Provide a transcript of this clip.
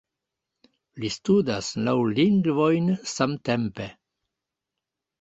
Li studas naŭ lingvojn samtempe